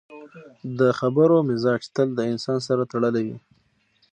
د خبرو مزاج تل د انسان سره تړلی وي